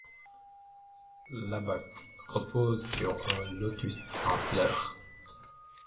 L'abaque repose sur un lotus en fleur.